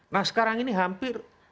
nah sekarang ini hampir